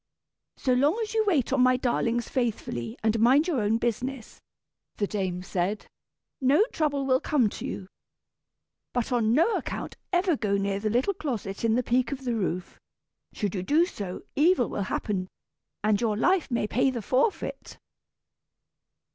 "So long as you wait on my darlings faithfully, and mind your own business," the dame said, "no trouble will come to you. But on no account ever go near the little closet in the peak of the roof. Should you do so, evil will happen, and your life may pay the forfeit."